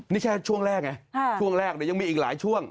นี่แค่ช่วงแรกไงช่วงแรกยังมีอีกหลายช่วง